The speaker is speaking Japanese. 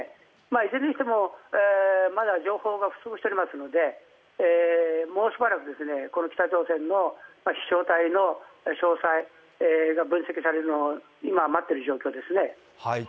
いずれにしてもまだ情報が不足しておりますのでもうしばらくこの北朝鮮の飛しょう体の詳細を待っている状況ですね。